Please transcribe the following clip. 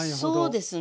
そうですね。